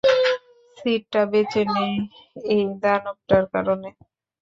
সিটকা বেঁচে নেই, এই দানবটার কারণে।